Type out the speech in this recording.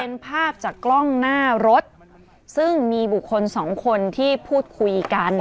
เป็นภาพจากกล้องหน้ารถซึ่งมีบุคคลสองคนที่พูดคุยกัน